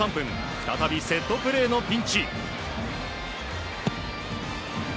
再びセットプレーのピンチ。